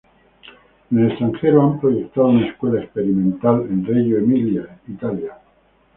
En el extranjero, han proyectado una Escuela Experimental en Reggio Emilia, Italia.